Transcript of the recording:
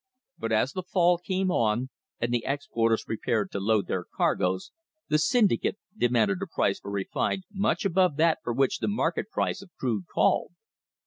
But as the fall came on and the exporters prepared to load their cargoes, the syndicate demanded a price for refined much above that for which the market price of crude called.